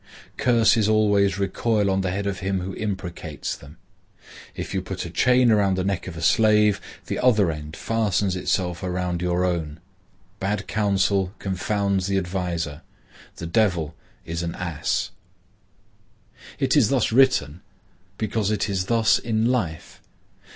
—Curses always recoil on the head of him who imprecates them.—If you put a chain around the neck of a slave, the other end fastens itself around your own.—Bad counsel confounds the adviser.—The Devil is an ass. It is thus written, because it is thus in life.